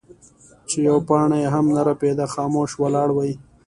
چې يوه پاڼه يې هم نۀ رپيده خاموش ولاړې وې ـ